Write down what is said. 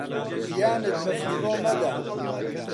ژیانت بە فیڕۆ مەدە